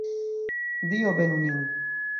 Dio benu nin!